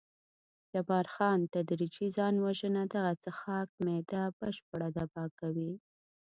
جبار خان: تدریجي ځان وژنه، دغه څښاک معده بشپړه تباه کوي.